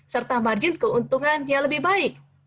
serta margin keuntungan yang lebih baik